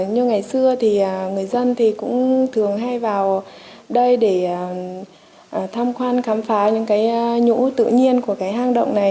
như ngày xưa thì người dân thì cũng thường hay vào đây để tham quan khám phá những cái nhũ tự nhiên của cái hang động này